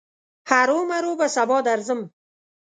هرو مرو به سبا درځم.